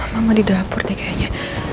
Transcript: mama di dapur deh kayaknya